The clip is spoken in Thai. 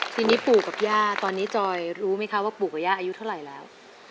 ทีนี้ปู่กับย่าตอนนี้จอยรู้ไหมคะว่าปู่กับย่าอายุเท่าไหร่แล้ว